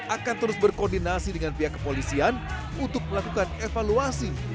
akan terus berkoordinasi dengan pihak kepolisian untuk melakukan evaluasi